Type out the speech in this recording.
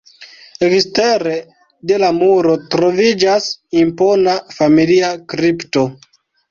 Ekstere de la muro troviĝas impona familia kripto.